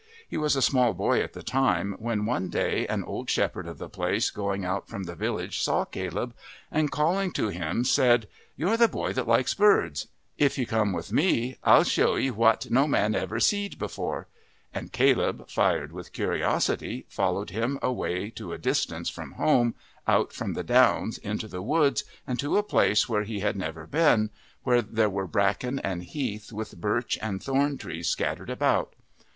He was a small boy at the time, when one day an old shepherd of the place going out from the village saw Caleb, and calling to him said, "You're the boy that likes birds; if you'll come with me, I'll show 'ee what no man ever seed afore"; and Caleb, fired with curiosity, followed him away to a distance from home, out from the downs, into the woods and to a place where he had never been, where there were bracken and heath with birch and thorn trees scattered about.